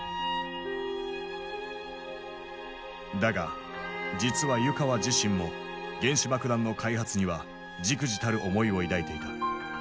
だが実は湯川自身も原子爆弾の開発には忸怩たる思いを抱いていた。